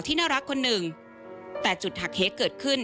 ไม่ได้ตั้งใจ